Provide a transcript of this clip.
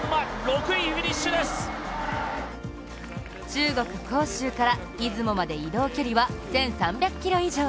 中国・杭州から出雲まで移動距離は１３００ｋｍ以上。